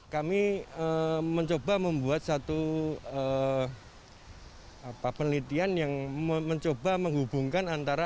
kami mencoba membuat satu penelitian yang mencoba menghubungkan antara